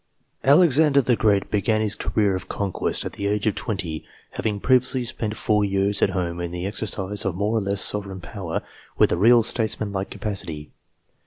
Alexander the Great began his career of conquest at the age of twenty, having previously spent four years at home COMMANDERS 135 in the exercise of more or less sovereign power, with a real statesmanlike capacity.